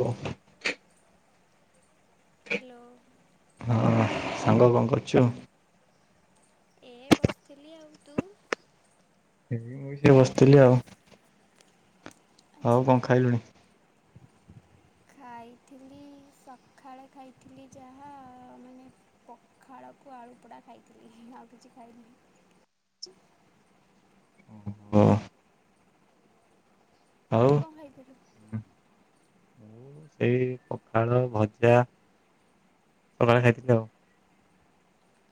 ଓ hello. ହଁ ସାଙ୍ଗ କଣ କରୁଛ? ଏ ବସିଥିଲି ଆଉ ତୁ? ବସିଥିଲି ଆଉ। ଆଉ ଆଚ୍ଛା। କଣ ଖାଇଲୁଣି? ଖାଇଥିଲି ସକାଳେ ଖାଇଥିଲି ଯାହା ମାନେ ପଖାଳକୁ ଆଳୁ ପୋଡ଼ା ଖାଇଥିଲି ଆଉ କିଛି ଖାଇନି। ଓ। ଆଉ ତୁ କଣ ଖାଇଥିଲୁ? ଏଇ ପଖାଳ ଭଜା ସକାଳେ ଖାଇଥିଲି ଆଉ।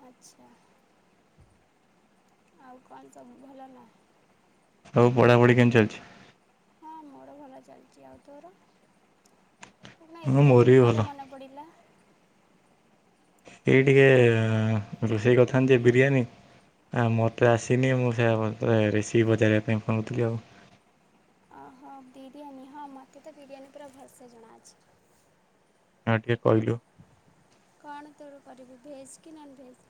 ଆଚ୍ଛା। ଆଉ କଣ ସବୁ ଭଲ ନା? ହଉ ପଢାପଢି କେମିତି ଚାଲିଛି? ହଁ ମୋର ଭଲ ଚାଲିଛି ଆଉ ତୋର କ ହଁ ଏତେ ମୋର ଦିନ ବି ଭଲ। ପରେ ମନେ ପଡିଲା। ଏଇ ଟିକେ ରୋଷେଇ କଥାନ୍ତି ବିରିୟାନୀ ହଁ ମୋତେ ଆସିନି ମୁଁ ସେ ରେସି ପଚାରିବା ପାଇଁ ଫୋନ କରିଥିଲି ଆଉ। ଓହୋ ବିରିୟାନୀ ହଁ ମୋତେ ତ ବିରିୟାନୀ ପୁରା ଭଲସେ ଜଣାଅଛି। ହଁ ଟିକେ କହିଲୁ। କଣ ତୋଳୁ କରିବୁ ଭେଜ୍ କି ନନ ଭେଜ୍?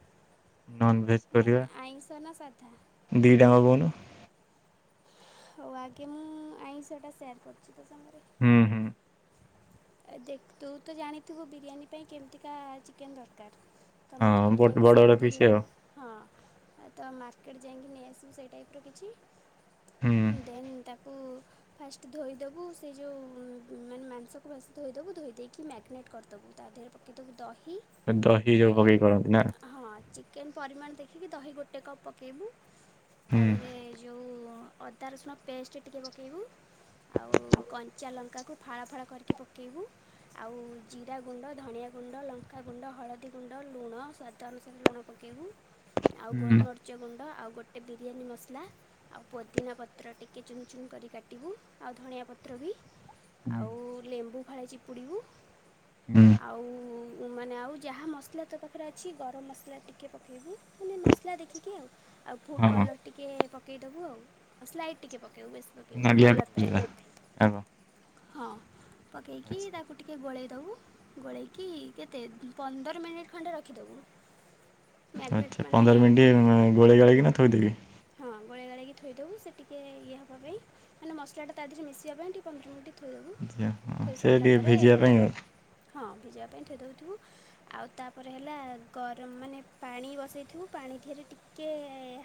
ନନ୍ ଭେଜ୍ ମାନେ କରିବା ଆଇଁଷ ନା ସାଧା? ଦି ଟାଙ୍କ କହୁନୁ। ହଉ ଆଗେ ମୁଁ ଆଇଁଷଟା ସେୟାର୍ କରୁଛି ତୋ ସାଙ୍ଗରେ। ହୁଁ। ଏ ଦେଖ ତୁ ତ ଜାଣିଥିବୁ ବିରିୟାନୀ ପାଇଁ କେମିତିକା ଚିକେନ୍ ଦରକାର। ତ ହଁ ମାର୍କେଟ ବୋଟେ ଯାଇକି ବଡ ବଡ ସେମିତି ପିସ ଆଉ। ହଁ ତ ମାର୍କେଟ ଯାଇକି ନେଇଆସିବୁ ସେଇ ଟାଇପ୍ ର କିଛି ହୁଁ ଦେନ ତାକୁ ଫାଷ୍ଟ ଧୋଇ ଦବୁ ସେଇ ଯୋଉ ମାନେ ମାଂସ ଭ ଧୋଇ ଦେେବୁ ଧୋଇ ଦେଇକି ମ୍ୟାରିନେଟ୍ କରିଦବୁ ତା ଦେହରେ ପକାଇଦବୁ ଦହି ଦହି ଏ ଯୋଉ ପକେଇ କରନ୍ତି ନା। ହଁ ଚିକେନ୍ ପରିମାଣ ଦେଖିକି ଦହି ଗୋଟେ କପ୍ ପକାଇବୁ ତା ହୁଁ ଦେହରେ ଯେଉଁ ଅଦା ରସୁଣ ପେଷ୍ଟ ଟିକେ ପକାଇବୁ। ଆଉ କଞ୍ଚା ଲଙ୍କାକୁ ଫଳା ଫଳ କରିକି ପକେଇବୁ। ଆଉ ଜିରା ଗୁଣ୍ଡ ଧନଆ ଗୁଣ୍ଡ ଲଙ୍କାଗୁଣ୍ଡ ହଳଦୀ ଗୁଣ୍ଡ ଲୁଣ ସ୍ୱାଦ ଅନୁସାରେ ଲୁଣ ପକେଇବୁ। ଆଉ ହୁଁ ଗୋଲମରିଚ ଗୁଣ୍ଡ ଆଉ ଗୋଟେ ବିରିୟାନୀ ମସଲା। ଆଉ ପୋଦିନା ପତ୍ର ଟିକେ ଚୁନ ଚୁନ କରି କାଟିବୁ ଆଉ ଧଣିଆ ପତ୍ର ବି। ଆଉ ଲେମ୍ବୁ ଫାଳେ ଚିପୁଡ଼ିବୁ। ହୁଁ। ଆଉ ଉଁ ମାନେ ଆଉ ଯାହା ମସଲା ତୋ ପାଖରେ ଅଛି ଗରମ ମସଲା ଟିକି ପକାଇବୁ ମାନେ ମସଲା ଦେଖିକି ଆଉ। ଆଉ ଫୁଡ଼୍ ହଁ ହଁ କଲର୍ ଟିକେ ପକେଇ ଦବୁ ଆଉ ସ୍ଲାଇଟ୍ ଟିକେ ପକେଇବୁ ବେଶୀ ପକେଇବୁନି ନାଲିଆ କଲର୍ କଲର ପାଇଁ। ଯୋଉରା ଆଗ। ପକେଇକି ଆଚ୍ଛା ତାକୁ ଟିକେ ଗୋଳେଇଦବୁ ଗୋଳେଇକି କେତେ ପନ୍ଦର ମିନିଟ୍ ଖଣ୍ଡେ ରଖିଦବୁ। ଆଛା ପନ୍ଦର ମିଣ୍ଟି ଗୋଳେଇ ଗାଳେଇକିନା ଥୋଇଦେବି। ହଁ ଗୋଳେଇ ଗାଳେଇକି ଥୋଇଦବୁ ସେ ଟିକି ଇଏ ହେବା ପାଇଁ ମାନେ ମସଲାଟା ତା ଦେହରେ ମିିସିବା ପାଇଁ ଟିକେ ପନ୍ଦର ମିଣ୍ଟି ଥୋଇଦବୁ। [inaudible] ହଁ ସେ ଟିକେ ଭିଜିବା ପାଇଁ ଆଉ। ହଁ ଭିଜିବା ପାଇଁ ଥୋଇଦଉଥୁବୁ ଆଉ ତାପରେ ହେଲା ଗରମ ମାନେ ପାଣି ବସେଇଥିବୁ ପାଣି ଧିଅରେ ଟିକ୍ କେ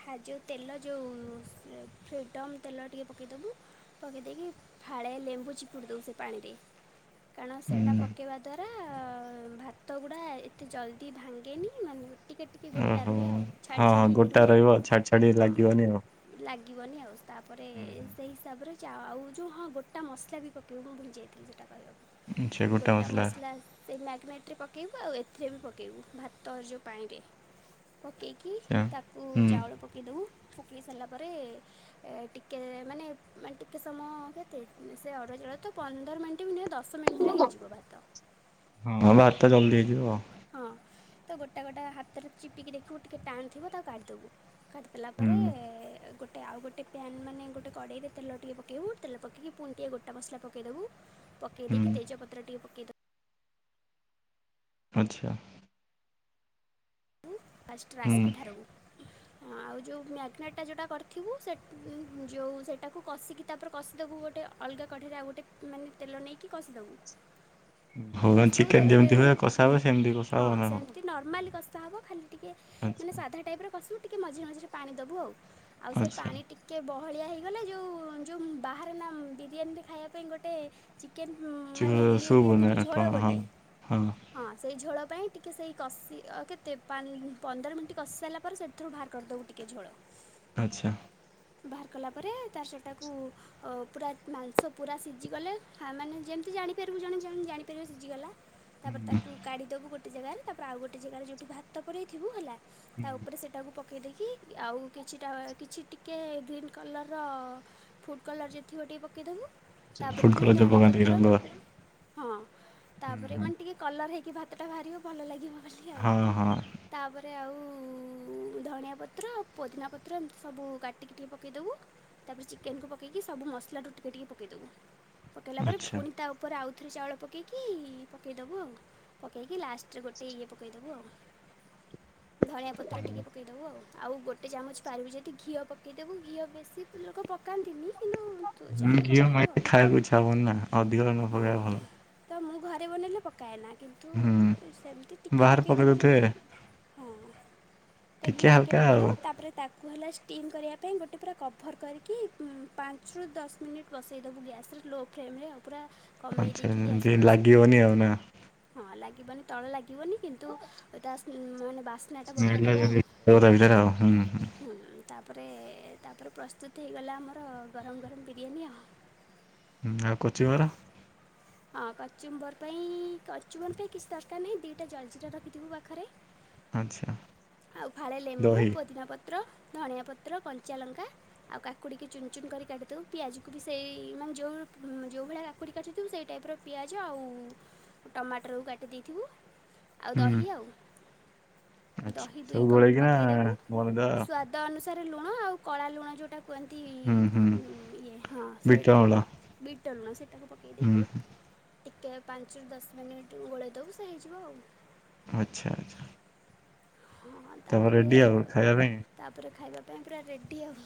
ହା ଯୋଉ ତେଲ ଯୋଉ ଫ୍ରିଡ଼ମ୍ ତେଲ ଟିକେ ପକେଇଦବୁ ପକେଇ ଦେଇକି ଫାଳେ ଲେମ୍ବୁ ଚିପୁଡ଼ି ଦବୁ ସେ ପାଣିରେ। କାଣ ସେଇଟା ହୁଁ ପକେଇବା ଦ୍ଵାରା ଭାତ ଗୁଡ଼ା ଏତେ ଜଲ୍ଦି ଭାଙ୍ଗେନି ମାନେ ଟିକେ ଟିକେ ଗୋଟା ଓହୋ। ରୁହେ ଆଉ ଛାଡ଼ି ହଁ ହଁ ଛାଡ଼ି ହେଇକି ଗୋଟା ରୁହେ ଆଉ। ରହିବ ଛାଡି ଛାଡି ଲାଗିବନି ଆଉ। ଲାଗିବନି ଆଉ ତାପରେ ହୁଁ ହୁଁ ସେଇ ହିସାବରେ ଚା ଆଉ ଯୋଉ ହଁ ଗୋଟା ମସଲା ବି ପକାଇବୁ ମୁଁ ଭୁ୍ଲିଯାଇଥି ସେଟା ଆଚ୍ଛା କହିବାକୁ। ଗୋଟା ମସଲା ମସଲାସ୍ ସେ ମ୍ୟାଗ୍ନାଇଟ୍ ରେ ପକେଇବୁ ଆଉ ଏଥିରେ ବି ପକେଇବୁ ଭାତ ଯେଉ ପାଇଁରେ। ପକେଇକି ଆଚ୍ଛା ତାକୁ ହୁଁ ଚାଉଳ ପକେଇ ଦବୁ ପକେଇ ସାରିଲା ପରେ। ଏ ଟିକେ ମାନେ ଟିକେ ସମୟ କେତେ ସେ ଅରୁଆ ଚାଉଳ ତ ପନ୍ଦ ନ୍ଦର ମିଣ୍ଟ୍ ବି ନୁହେଁ ଦଶ ମିଣ୍ଟ୍ ରେ ହେଇଯିବ ଭାତ। ହଁ ଭାତ ଜଲ୍ଦି ହେଇଯିବ ଆଉ। ହଁ ତ ଗୋଟା ଗୋଟା ହାତରେ ଚିପିକି ଦେଖିବୁ ଟିକେ ଟାଣ୍ ଥିବ ତାକୁ କାଢ଼ିଦବୁ। ଖାଟ୍ ଦେଲା ପରେ ହୁଁ ଗୋଟେ ଆଉ ଗୋଟେ ପ୍ୟାନ୍ ମାନେ ଗୋଟେ କଡ଼େଇରେ ତେଲ ଟିକେ ପକେଇବୁ ତେଲ ପକେଇକି ପୁଣି ଟିକେ ଗୋଟା ମସଲା ପକେଇଦବୁ ପକେଇ ଦେଇି ହୁଁ କି ତେଜ ପତ୍ରଟିକେ ପକେଇଦବ ଆଚ୍ଛା। ହୁଁ। [unintelligible] ଆଉ ଯେଉଁ ମ୍ୟାଗ୍ନଟା ଯୋଉଟା କରିଥିବୁ ସେଟ ଯୋଉ ସେଟାକୁ କଷିକି ତାପରେ କଷିଦେବୁ ଗୋଟେ ଅଲଗା କ଼ଢ଼େଇ ରେ ଆଉ ଗୋଟେ ମାନେ ତେଲ ନେଇକି କଷିଦେବୁ। [unintelligible] କଷିଦେବୁ ତା ଚିକେନ୍ ଦେହରେ ଯେମିତି ହୁଏ କଷା ହୁଏ ସେମିତି କଷା ହଁ ହବ ନା କଣ? ସେମିତି ନର୍ମାଲି କଷା ହବ ଖାଲି ଟିକେ ମାନେ ଆଚ୍ଛା ସାଧା ଟାଇପ୍ ର କଷିବୁ ଟିକେ ମଝିରେ ମଝିରେ ପାଣି ଦେବୁ ଆଉ। ଆଉ ସେ ପାଣି ଟି କେ ବହଳିଆ ହେଇଗଲେ ଯୋଉ ଯୋଉ ବାହାରେ ନା ବିରିୟାନି ରେ ଖାଇବା ପାଇଁ ଗୋଟେ ଚିକେନ୍ ମାନେ ଆଚ୍ଛା। ଇଏ ସୁପ୍ ନା ଦିଅନ୍ତିନି ଝୋଳ କଣ ହଁ ଗୋଟେ। ହଁ ସେଇ ଝୋଳ ପାଇଁ ଟିକେ ସେଇ କଷି ଅ କେତ ତେ ପାନ୍ ପନ୍ଦର ମିନିଟ୍ କଷି ସାରିଲା ପରେ ସେଥିରୁ ବାହାର କରିଦେବୁ ଟିକେ ଝୋଳ। ଆଚ୍ଛା। ବାହାର କଲା ପରେ ତାର୍ ସେଟାକୁ ଓ ପୁରା ମାଂସ ପୁରା ସିଝିଗଲେ ଆ ମାନେ ଯେମିତି ଜାଣିପାରିବୁ ଜଣେ ଯେମ ଜାଣିପାରିବ ସିଝିଗଲା। ତାପରେ ହୁଁ ତାକୁ କାଢ଼ିଦବୁ ଗୋଟେ ଜାଗାରେ ତାପରେ ଆଉ ଗୋଟେ ଜାଗାରେ ଯୋଉଠି ଭାତ ପୁରେଇଥିବୁ ହେଲା ତା ଉପରେ ସେଠ ତାକୁ ପକେଇଦେଇକି ଆଉ କିଛିଟା କିଛି ଟିକେ ଗ୍ରୀନ୍ କଲର୍ ର ଫୁଡ଼୍ କଲର୍ ଯଦି ଥିବ ଟିକେ ପକାଇଦବୁ ତାପରେ ଫୁଡ୍ କଲର ଫୁଣି ଯୋଉ ଧନିଆ ପକାନ୍ତି ପତ୍ର ରଙ୍ଗ ହଁ ହୁଁ ତାପରେ ହୁଁ ମାନେ ଟିକେ କଲର୍ ହେଇକି ଭାତଟା ବାହାରିବ ଭଲ ଲାଗିବ ବୋଲି ଆଉ। ହଁ ହଁ ତାପରେ ଆଉ ଧଣିଆ ପତ୍ର ପୋଦିନା ପତ୍ର ଏମିତି ସବୁ କାଟିକି ଟିକେ ପକେଇଦବୁ। ତାପରେ ଚିକେନକୁ ପକେଇକି ସବୁ ମସଲାରୁ ଟିକେ ଟିକେ ପକେଇବୁ ପକେଇଲା ପରେ ଆଚ୍ଛା। ପୁଣି ତା ଉପରେ ଆଉଥରେ ଚାଉଳ ପକେଇକି ପକେଇଦବୁ ଆଉ ପକେଇକି ଲାଷ୍ଟରେ ଗୋଟେ ଇଏ ପକେଇଦେବୁ ଆଉ। ଧଣିଆ ପତ୍ର ଟିକେ ପକେଇବ ଦବୁ ଆଉ ଆଉ ଗୋଟେ ଚାମଚ ପାରିବୁ ଯଦି ଘିଅ ପକାଇଦବୁ ଘିଅ ବେଶୀ ଲୋକ ପକାନ୍ତିନି। କିନ୍ତୁ ତୁ ହୁଁ ଚାହିଁଲେ ଘିଅ ପକେଇବୁ ଆଉ। ମାରିଲେ ଖାଇବାକୁ ଇଚ୍ଛା ହବନି ନା ଅଧିକ ନ ପକେଇବା ହଁ। ଭଲ। ତ ମୁଁ ଘରେ ବନେଇଲେ ପକାଏନା, କିନ୍ତୁ ହୁଁ ସେମିତି ଟିକେ ବାହାରେ ପକେଇ ଦେବୁ ଦଉଥିବେ ଯଦି। ହଁ ତ ଘିଅ ଟିକେ ହାଲକା ଆଉ। ପକେଇଦବ ତାପରେ ତା କୁ ହେଲା ଷ୍ଟିମ୍ କରିବା ପାଇଁ, ଗୋଟେ ପୁରା କଭର୍ କରିକି ପାଞ୍ଚରୁ ଦସ୍ ମିନିଟ୍ ବସେଇ ଦବୁ ଗ୍ୟାସ୍ ରେ ଲୋ ଫ୍ଲେମରେ ଆଉ ପୁରା କମେଇ ଆଚ୍ଛା ଦେଇକି ଏମିତି ଗ୍ୟାସ୍ ରେ ବସେଇ ଦବୁ। ଲାଗିବନି ଆଉ ନା। ହଁ ଲାଗିବନି ତଳେ ଲାଗିବନି କିନ୍ତୁ ତା ସ୍ମେ-ମାନେ ବା ବାସ୍ନା ଟା ବଢ଼ିଆ ଦବ ଆଉ। ସ୍ମେଲ ତା ଭିତରେ ଆଉ ହୁଁ ହୁଁ। ତାପରେ ତାପରେ ପ୍ରସ୍ତୁତ ହେଇଗଲା ଆମର ଗରମ୍, ଗରମ୍ ବିରିୟାନୀ ଆଉ। ହୁଁ ଆଉ କଚିମରା? ହଁ କଚୁମ୍ବର ପାଇଁ, କଚୁମ୍ବର ପାଇଁ କିଛି ଦରକାର ନାହିଁ ଦୁଇଟା ଜର୍ଜିରା ରଖିଥିବୁ ପାଖରେ ଆଚ୍ଛା ଆଉ ଫାଳେ ଲେମ୍ବୁ, ଦହି ପୋଦିନା ପତ୍ର, ଧଣିଆ ପତ୍ର, କଞ୍ଚା ଲଙ୍କା ଆଉ କାକୁଡିିକି ଚୁନ୍, ଚୁନ୍ କରି କାଟିି ଦବୁ, ପିଆଜକୁ ବି ସେଇ ମାନେ ଯୋଉ ଯୋଉ ଭଳିଆ କାକୁଡି କାଟି ଥିବୁ ସେଇ ଟାଇପ୍ର ପିଆଜ ଆଉ ଟମାଟରକୁ କାଟି ଦେଇଥିବୁ ଆଉ ହୁଁ ଦହି ଆଉ। ଆଚ୍ଛା। ଦହି ଦୁଇ ସବୁ କପ୍ ଗୋଳେଇକିନା ପକେଇଦବୁ ବନେଇଦବା ଆଉ ସ୍ୱା ଦ, ଅନୁସାରେ ଲୁଣ ଆଉ କଳା ଲୁଣ ଯେଉଁଟା କୁହନ୍ତି ହୁଁ ହୁଁ ଇଏ ହଁ ବିଟ ସେଇଟା ଅମଳ ବିଟଲୁଣ ସେଇଟାକୁ ପକାଇ ଦେଇକି ହୁଁ ଟିକେ ପାଞ୍ଚରୁ ଦଶ ମିନିଟ୍ ଗୋଳେଇ ଦବୁ ସେ ହେଇଯିବ ଆଉ। ଆଚ୍ଛା ଆଚ୍ଛା। ହଁ ତାପରେ, ରେଡି ଆଉ ଖାଇବା ପାଇଁ। ତାପରେ ଖାଇବା ପାଇଁ ପୁରା ରେଡ଼ି ଆଉ।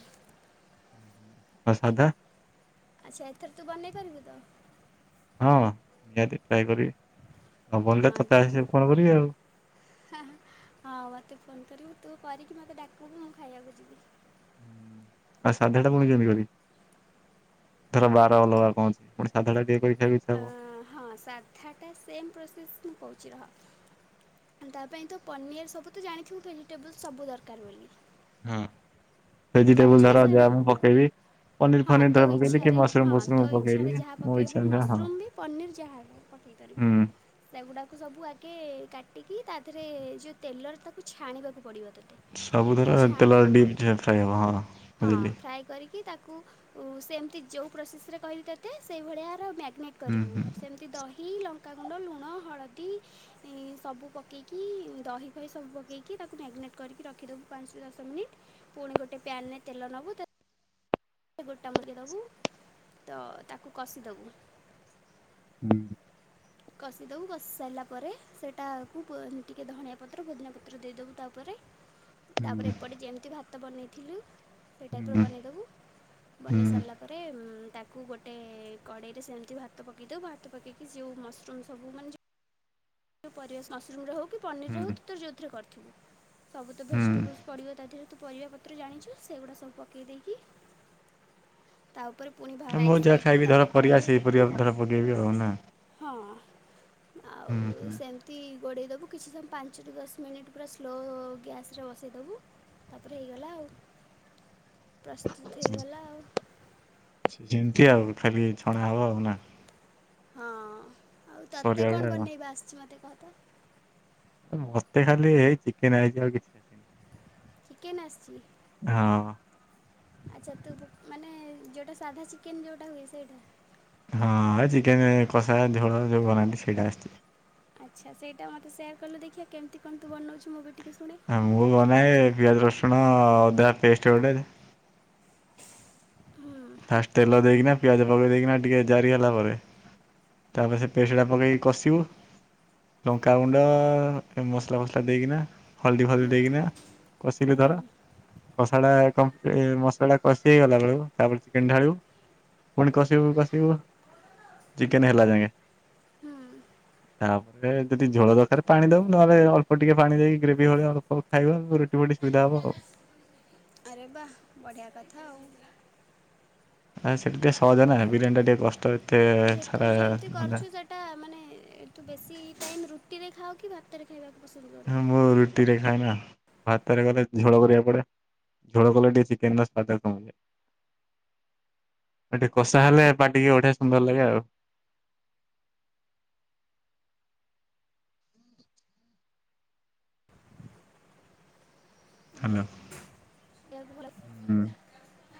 ଆଉ ସାଧା? ଆଚ୍ଛା ଏଥର ତୁ ବନେଇ କରିବୁ ତ? ହଁ ନିହାତି ଟ୍ରାଏ କରିବି, ନ ବନିଲେ ତତେ ଆସି ଫୋନ୍ କରିବି ଆଉ। ହାଁ, ହଁ ବା ତୁ ଫୋନ୍ କରିବୁ ତୁ କରିକି ମୋତେ ଡାକିବୁ ମୁଁ ଖାଇବାକୁ ଯିବି। ହୁଁ। ଆଉ ସାଧା ଟା ମୁ କେମିତି କରିବି? ଧର ବାର ଅଲଗା କଣ ଅଛି, ପୁଣି ସାଧା ଟା କିଏ କରିକି ଖାଇବେକି। ଅଁ ହଁ ସାଧଟା ସେମ୍ ପ୍ରୋସେସ୍ ମୁଁ କହୁଛି ରହ ତା ପାଇଁ ତ ପନିୟାର ସବୁ ତ ଜାଣିଥିବୁ ଭେଜିଟେବୁଲ୍ ସବୁ ଦରକାର ବୋଲି। ହଁ ଜାଣିଛୁ ଭେଜିଟେବୁଲ୍ ନା ଧର ସେ ଯାହା ମୁଁ ପକେଇବି ପନିର ହଁ ଫନିର ଧର ତୋ ପକେଇଲି କି ଇଚଛାରେ ମସରୁମ ହଁ ଫସରୁମ ତୋ ପକେଇଲି ଇଚ୍ଛାରେ ଯାହା ମୋ ଇଚ୍ଛା ପକେଇବୁ ଅନୁସାରେ ହଁ ମଶୃରୁମ୍ ବି ପନିର୍ ଯାହା ହେବ। ପକେଇ ପାରିବୁ। ହୁଁ। ସେଗୁଡ଼ାକୁ ସବୁ ଆଗେ କାଟିକି ତା ଦେହରେ ଯୋଉ ତେଲରେ ତାକୁ ଛାଣିବାକୁ ପଡ଼ିବ ତତେ। ତ ସବୁଥର ତେଲ ଛାଣି ଡିପ୍ ଫ୍ରାଏ ହବ ହଁ ହଁ ବୁଝିଲି ଫ୍ରାଏ କରିକି ତାକୁ ଓ ସେମିତି ଯୋଉ ପ୍ରୋସେସ୍ ରେ କହିଲି ତତେ ସେଇଭଳିଆର ମ୍ୟାଗେନେଟ୍ ହୁଁ କରିବୁ। ହୁଁ। ସେମିତି ଦହି ଲ ଙ୍କା ଗୁଣ୍ଡ, ଲୁଣ, ହଳଦୀ ସବୁ ପକେଇକି ଦହି ପହି ସବୁ ପକେଇକି ତାକୁ ମ୍ୟାଗେନେଟ୍ କରିକି ରଖିଦେବୁ ପାଞ୍ଚରୁ ଦଶ ମିନିଟ୍ ପୁଣି ଗୋଟେ ପ୍ୟାନ୍ ରେ ତେଲ ନବୁ ଗୋଟା ମରିଚ୍ ଦବୁ ତ ତାକୁ କଷିଦବୁ ହୁଁ। କଷିଦବୁ କଷି ସାରିଲା ପରେ, ସେଇଟାକୁ ଟିକେ ଧଣିଆ ପତ୍ର, ପୁଦୀନା ପତ୍ର, ଦେଇଦବୁ ତାପରେ ହୁଁ ତାପରେ ଏପଟେ ଯେମିତି ଭାତ ବନେଇଥିଲୁ ସେଇ ଟାଇପ୍ ର ବନେଇଦବୁ ବନେଇ ହୁଁ ସାରିଲା ତାରେ ଉଁ, ତାକୁ ଗୋଟେ କଡ଼େଇରେ ସେମିତି ଭାତ ପକେଇ ଦବୁ ଭାତ ପକେଇକି, ଶିଉ ମସ୍ରୁମ୍ ସବୁ ମାନେ ଯୋ ଯୋଉ ପରିବା ମସ୍ରୁମ୍ ରେ ହଉ କି ପନିର୍ ହୁଁ ରେ ହୋଉ, ତୁ ତୋର ଯଉଥିରେ କରିଥିବୁ, ସବୁ ତ ହୁଁ। ଭେଜିଟେବୁଲ୍ସ୍ ପଡ଼ିବ ତା ଦେହରେ। ତୁ ପରିବା ପତ୍ର ଜାଣିଛୁ, ସେଗୁଡ଼ା ସବୁ ପକାଇ ଦେଇକି ତା ଉପରେ ପୁଣି ମୁଁ ଭାରାଇସ୍ ଯାହା ଦେଇକି, ଖାଇବି ଧର ତାପରେ ଟିକେ ପରିବା ସେଇ ପରିବା ଧର ପକେଇବି ଆଉ ନା ହଁ। ହୁଁ ଆଉ ହୁଁ। ସେମିତି ଗୋଡ଼େଇ ଦବୁ। କିଛି ସମୟ ପାଞ୍ଚରୁ ଦଶ ମିନିଟ୍ ପୁରା ସ୍ଲୋ ଗ୍ୟାସ୍ ରେ ବସେଇଦବୁ ତାପରେ ହେଇଗଲା ଆଉ ପ୍ରସ୍ତୁତ୍ ହେଇଗଲା ଆଉ। ଯେମିତି ଆଉ ଖାଲି ଛଣା ହବ ଆଉ ନା। ହଁ। ଆଉ ତତେ ପରିବା ଗୁଡା କଣ ଆଉ। ବନେଇବା ଆସିଚି ମୋତେ କହ ତ? ମତେ ଖାଲି ହେଇ ଚିକେନ ଆଇଚି ଆଉ କିଛି ଆସିନି। ଚିକେନ୍ ଆସିଚି। ହଁ। ଆଚ୍ଛା ତୁ ମାନେ ଯୋଉଟା ସାଧା ଚିକେନ୍ ଯୋଉଟା ହୁଏ ସେଇଟା। ହଁ ଚିକେନ କଷା ଝୋଳ ଯୋଉ ବନାନ୍ତି ସେଇଟା ଆସିଚି। ଆଚ୍ଛା। ସେଇଟା ମୋତେ ସେୟାର କଲୁ ଦେଖିଆ କେମିତି କଣ ତୁ ବନଉଚୁ ମୁଁ ବି ଟିକେ ଶୁଣେ। ମୁଁ ବନାଏ ପିଆଜ ରସୁଣ ଅଦା ପେଷ୍ଟ ଗୋଟେ ହୁଁ। ଫାଷ୍ଟ ତେଲ ଦେଇକିନା ପିଆଜ ପକେଇ ଦେଇକିନା ଟିକେ ଜାରି ହେଲା ପରେ ତାପରେ ସେ ପେଷ୍ଟଟା ପକେଇକି କଷିବୁ। ଲଙ୍କାଗୁଣ୍ଡ ମସଲା ଫସଲା ଦେଇକିନା ହଳଦୀ ଫଳଦୀ ହୁଁ ଦେଇକିନା କସିଲୁ ହୁଁ ଧର କଷାଟା କମ୍ପି ମସଲା ଟା କଷି ହେଇଗଲା ବେଳକୁ ତାପରେ ଚିକେନ ଢାଳିବୁ। ପୁଣି କଷିବୁ କଷିବୁ ଚିକେନ ହେଲା ଯାଙ୍କେ। ହୁଁ ତାପରେ ଯଦି ଝୋଳ ଦରକାର ପାଣି ଦବୁ ନହେଲେ ଅଳ୍ପ ଟିକେ ପାଣି ଦେଇକି ଗ୍ରେଭି ଭଳିଆ ଅଳ୍ [unintelligible] ଖାଇବା ରୁଟି ଫୁଟି ସୁବିଧା ହବ ଆଉ। ଆରେ ବାଃ ବଢ଼ିଆ କଥା ଆଉ। ଆ ସେଟା ଟିକେ ସହଜ ନା। ବିରିୟାନୀ ଟା ଟିକେ କଷ୍ଟ ଏତେ ସାରା ଧନ୍ଧା। ଟା ମାନେ ତୁ ବେଶି ଟାଇମ୍ ରୁଟିରେ ଖାଅ କି ଭା ଭାତରେ ଖାଇବାକୁ ପସନ୍ଦ କ ହଁ ମୁଁ ରୁଟିରେ ଖାଏ ନା। ଭାତରେ କଲେ ଝୋଳ କରିବାକୁ ପଡେ। ଝୋଳ କଲେ ଟିକେ ଚିକେନର ସ୍ୱାଦ କମିଯାଏ। ଏ ଟିକେ କଷା ହେଲେ ପାଟି କି ବଢିଆ ସୁନ୍ଦର ଲାଗେ ଆଉ। ହାଲୋ। [unintelligible] ହୁଁ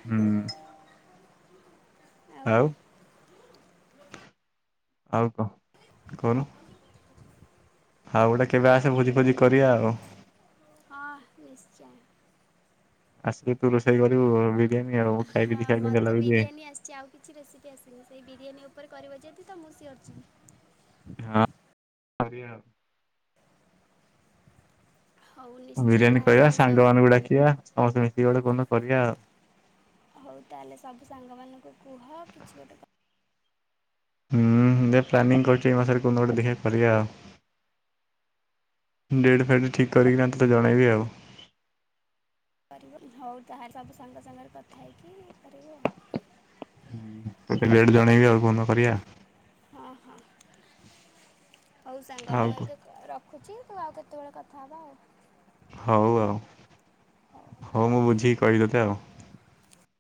ହୁଁ ଆଉ ଆଉ କହ କହୁନୁ। ଆଉ ଗୋଟେ କେବେ ଆଉ ଆସେ ଭୋଜି ଫୋଜି କରିବା ଆଉ। ହଁ ନିଶ୍ଚୟ। ଆସିଲେ ତୁ ରୋଷେଇ କରିବୁ ବିରିୟାନୀ ଆଉ। ଖାଇକି ହଁ ଦେଖିବା କେମିତି ମୋତେ ଲାଗୁଛି ବିରିୟାନୀ ଆସିଚି। ଆଉ କିଛି ରେସିପି ଆସିନି। ସେଇ ବିରିୟାନୀ ଉପରେ କରିବ ଯଦି ତ ମୁଁ ସିଓର ଯିବି। ହଁ କରିବା ଆଉ। ହଉ ନିଶ୍ଚୟ ବିରିୟାନୀ ତାହେଲେ କରିବା ଆଉ। ସ [unintelligible] ସମସ୍ତେ ମିଶିକି ଗୋଟେ କୋଉଦିନ କରିବା ଆଉ। ହଉ ତାହେଲେ ସବୁ ସାଙ୍ଗ ମାନଙ୍କୁ କୁହ କିଛି ଗୋଟେ କ ହୁଁ ଦେଖିଆ ପ୍ଲାନିଂ କରୁଚି ଏଇ ମାସରେ କୋଉଦିନ ଗୋଟେ ଦେଖିଆ କରିବା ଆଉ। ଡେଟ୍ ଫେଟ୍ ଠିକ୍ କରିକିନା ତତେ ଜଣେଇବି ଆଉ। କରିବ। ହଉ ତାହାଲେ ସବୁ ସାଙ୍ଗ ସାଙ୍ଗରେ କଥା ହେଇକି କରିବୁ ଆଉ। ହୁଁ। ତତେ ଡେଟ୍ ଜଣେଇବି ଆଉ କୋଉଦିନ କରିବା। ହଁ ହଁ। ହଉ ସାଙ୍ଗ ଆଉ ମୁଁ ଏବେ ରଖ୍ ଖୁଚି। ତୁ ଆଉ କେତେବେଳେ କଥା ହେବା ଆଉ। ହଉ ଆଉ। ହଉ ମୁଁ ବୁଝିକି କହିବି ତତେ ଆଉ।